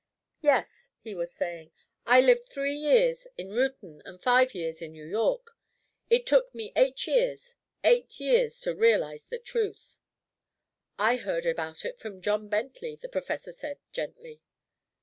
"Yes," he was saying, "I lived three years in Reuton and five years in New York. It took me eight years eight years to realize the truth." "I heard about it from John Bentley," the professor said gently.